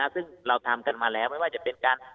ซึ่งเราทำกันมาแล้วไม่ว่าจะเป็นการ